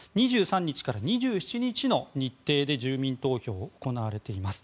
２３日から２７日の日程で住民投票が行われています。